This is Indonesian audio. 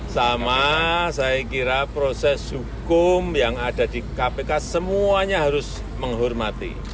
sama saya kira proses hukum yang ada di kpk semuanya harus menghormati